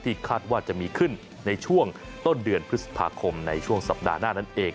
คาดว่าจะมีขึ้นในช่วงต้นเดือนพฤษภาคมในช่วงสัปดาห์หน้านั้นเอง